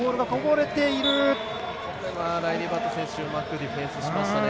ライリー・バット選手うまくディフェンスしましたね。